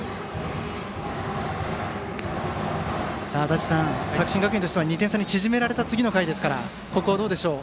足達さん、作新学院としては２点差に縮められた次の回ですからここは、どうでしょう。